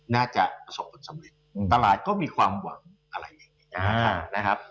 น่าจะประสบผลสำเร็จตลาดก็มีความหวังอะไรอย่างนี้นะครับ